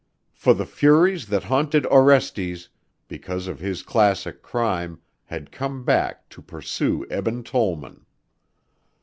For the furies that haunted Orestes, because of his classic crime, had come back to pursue Eben Tollman.